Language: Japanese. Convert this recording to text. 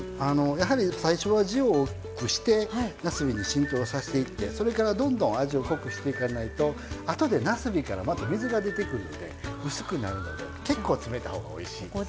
やはり最初は汁を多くしてなすびに浸透させていってそれからどんどん味を濃くしていかないとあとでなすびからまた水が出てくるので薄くなるので結構詰めたほうがおいしいですね。